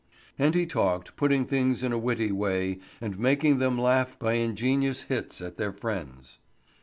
And he talked, putting things in a witty way, and making them laugh by ingenious hits at their friends.